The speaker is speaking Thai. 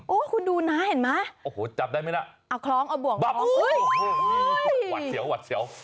โอ้คุณดูนะเห็นไหมเอาคล้องเอาบ่วงคล้องอุ๊ยหวัดเสียวหวัดเสียว